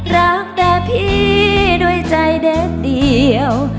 รักแต่พี่ด้วยใจเด็ดเดียว